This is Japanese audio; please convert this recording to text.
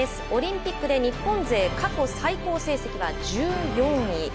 オリンピックで日本勢過去最高成績は１４位。